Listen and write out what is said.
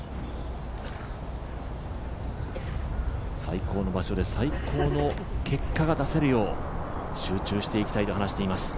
最高の場所で最高の結果が出せるよう集中していきたいと話しています。